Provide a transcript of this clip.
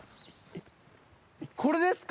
これですか？